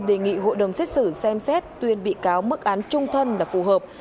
đề nghị hộ đồng xét xử xem xét tuyên bệ cáo mức án trung thân là phù hợp